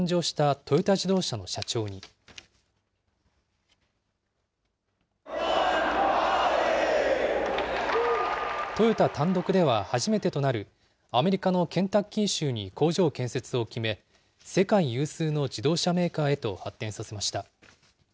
トヨタ単独では初めてとなる、アメリカのケンタッキー州に工場建設を決め、世界有数の自動車メーカーへと発展させました。